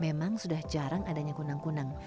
memang sudah jarang adanya kunang kunang